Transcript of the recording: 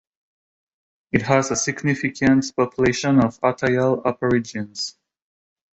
It has a significant population of Atayal aborigines.